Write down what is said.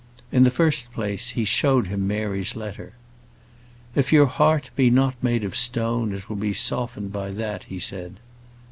In the first place, he showed him Mary's letter. "If your heart be not made of stone it will be softened by that," he said.